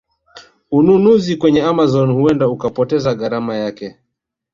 Ununuzi kwenye Amazon huenda ukapoteza gharama yake